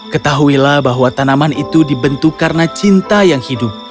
ketahuilah bahwa tanaman itu dibentuk karena cinta yang hidup